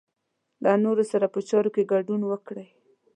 له نورو سره په چارو کې ګډون وکړئ.